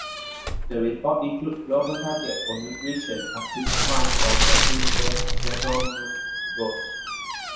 The report includes global targets for nutrition as defined by the Sustainable Development Goals.